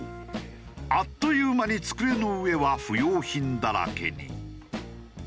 あっという間に机の上は不要品だらけに。